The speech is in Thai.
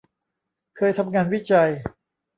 เคยทำงานวิจัย